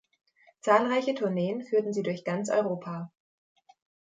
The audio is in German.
Zahlreiche Tourneen führten sie durch ganz Europa.